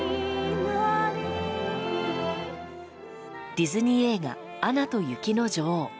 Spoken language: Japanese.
ディズニー映画「アナと雪の女王」。